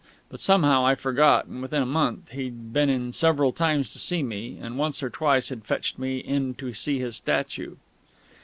But, somehow, I forgot, and within a month he'd been in several times to see me, and once or twice had fetched me in to see his statue.